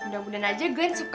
mudah mudahan aja grand suka